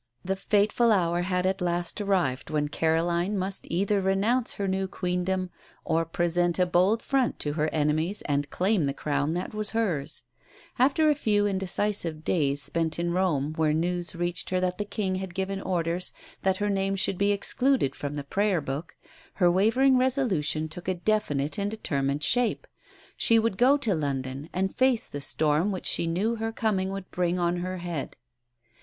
'" The fateful hour had at last arrived when Caroline must either renounce her new Queendom or present a bold front to her enemies and claim the crown that was hers. After a few indecisive days, spent in Rome, where news reached her that the King had given orders that her name should be excluded from the Prayer Book, her wavering resolution took a definite and determined shape. She would go to London and face the storm which she knew her coming would bring on her head.